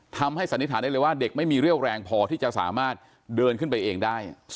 สันนิษฐานได้เลยว่าเด็กไม่มีเรี่ยวแรงพอที่จะสามารถเดินขึ้นไปเองได้